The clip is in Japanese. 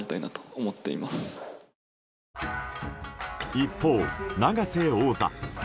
一方、永瀬王座。